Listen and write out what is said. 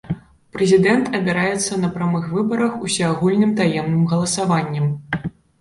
Прэзідэнт абіраецца на прамых выбарах усеагульным таемным галасаваннем.